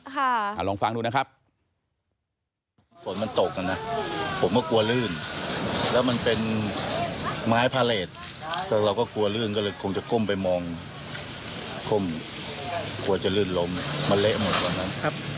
ลองฟังดูนะครับ